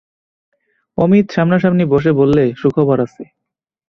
অমিত সামনাসামনি বসে বললে, সুখবর আছে।